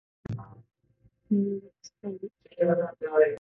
メンドクサイ